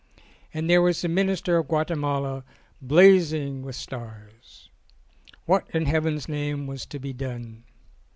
And there was the Minister of Guatemala blazing with stars! What in heaven's name was to be done?